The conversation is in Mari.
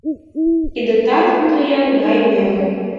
Кидетат тоя гай веле.